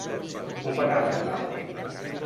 On va anar l'animal?